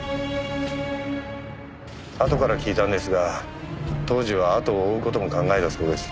あとから聞いたんですが当時は後を追う事も考えたそうです。